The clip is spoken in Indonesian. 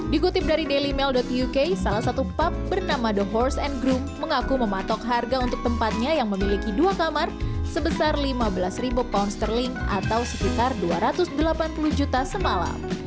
dikutip dari dailymail uk salah satu pub bernama the hours and groom mengaku mematok harga untuk tempatnya yang memiliki dua kamar sebesar lima belas ribu pound sterling atau sekitar dua ratus delapan puluh juta semalam